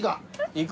行く？